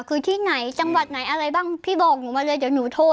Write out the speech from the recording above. คือที่ไหนจังหวัดไหนอะไรบ้างพี่บอกหนูมาเลยเดี๋ยวหนูโทร